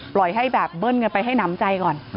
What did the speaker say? ปล่อยให้แบบเบิ้ลกันไปให้หนำใจก่อน